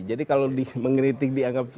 jadi kalau mengkritik dianggap